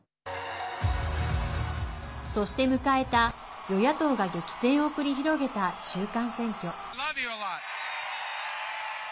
そして迎えた、与野党が激戦を繰り広げた中間選挙。